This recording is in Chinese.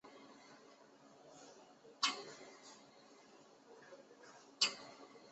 后来李自成封朱慈烺为宋王。